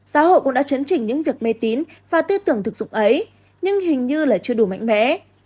xã hội cũng đã chấn chỉnh những việc mê tín và tư tưởng thực dụng ấy nhưng hình như là chưa đủ mạnh mẽ